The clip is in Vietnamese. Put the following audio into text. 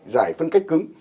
giải phân cách cứng